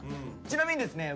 ちなみにですね